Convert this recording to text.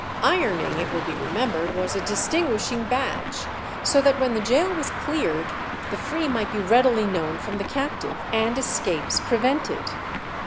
Ironing it will be remembered, was a distinguishing badge, so that when the gaol was cleared the free might be readily known from the captive, and escapes prevented.